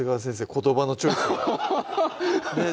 言葉のチョイスねぇ